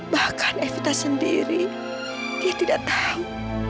bahkan evita sendiri dia tidak tahu